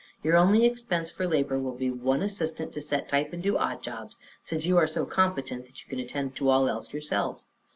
Your only expense for labor will be one assistant to set type and do odd jobs, since you are so competent that you can attend to all else yourselves.